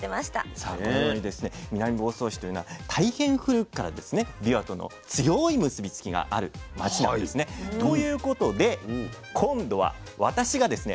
さあこのようにですね南房総市というのは大変古くからびわとの強い結び付きがある街なんですね。ということで今度は私がですね